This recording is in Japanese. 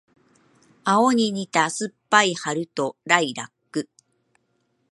青に似た酸っぱい春とライラック